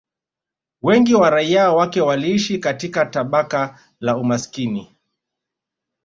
Wengi wa raia wake waliishi katika tabaka la umaskini